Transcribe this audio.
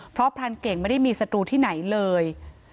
เพราะพรานเก่งไม่ได้มีศัตรูที่ไหนเลย